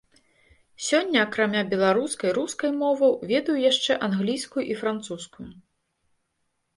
Сёння акрамя беларускай, рускай моваў, ведаю яшчэ англійскую і французскую.